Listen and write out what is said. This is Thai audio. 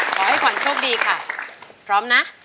ขอให้ขวัญโชคดีค่ะพร้อมนะ